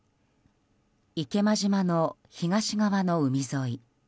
池間島の東側の海沿い。